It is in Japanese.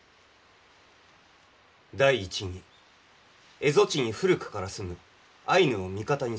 第一に蝦夷地に古くから住むアイヌを味方にすること。